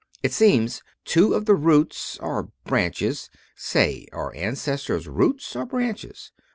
It seems two of the roots, or branches say, are ancestors roots, or branches?